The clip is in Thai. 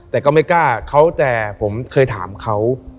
แต่ก็ไม่กล้าเขาแต่ผมเคยถามเขา